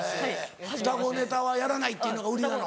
双子ネタはやらないというのが売りなの？